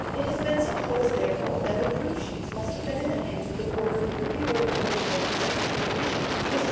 It has been supposed, therefore, that the proof sheets must have been in the hands of the Quarterly reviewer before the work was actually issued. Mr.